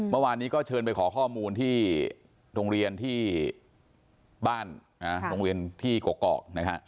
เมื่อวานนี้ก็เชิญไปขอข้อมูลที่โรงเรียนที่บ้านโรงเรียนที่กกอกนะฮะ